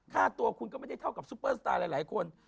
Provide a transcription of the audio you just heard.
ค่าตัวคุณก็ไม่ได้เท่ากับซุปเปอร์สตาร์หลายคน